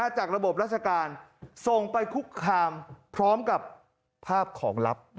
จากระบบราชการส่งไปคุกคามพร้อมกับภาพของลับ